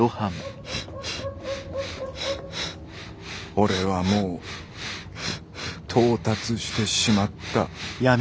「オレはもう到達してしまった」。